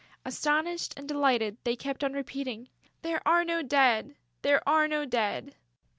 Astonished and delighted, they kept on repeating: "There are no Dead!... There are no Dead!..."